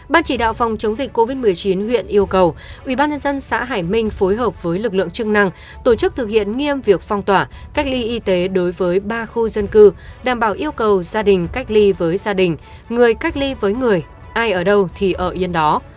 ban chỉ đạo phòng chống dịch covid một mươi chín huyện yêu cầu ubnd xã hải minh phối hợp với lực lượng chức năng tổ chức thực hiện nghiêm việc phong tỏa cách ly y tế đối với ba khu dân cư đảm bảo yêu cầu gia đình cách ly với gia đình người cách ly với người ai ở đâu thì ở yên đó